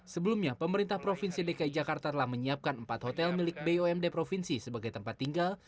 sebelumnya pemerintah provinsi dki jakarta telah menyiapkan empat hotel milik bumd provinsi sebagai tempat tinggal